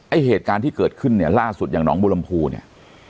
เหตุการณ์ที่เกิดขึ้นเนี่ยล่าสุดอย่างน้องบุรมภูเนี่ย